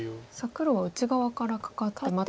黒は内側からカカってまた。